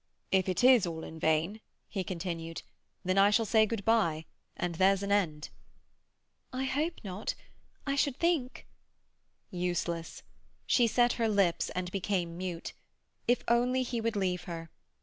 "If it is all in vain," he continued, "then I shall say good bye, and there's an end." "I hope not—I should think—" Useless. She set her lips and became mute. If only he would leave her!